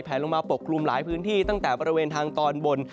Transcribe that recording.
ลงมาปกคลุมหลายพื้นที่ตั้งแต่บริเวณทางตอนบน